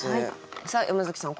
さあ山崎さん